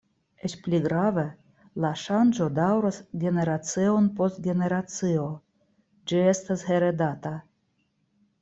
Eĉ pli grave, la ŝanĝo daŭras generacion post generacio; ĝi estas heredata.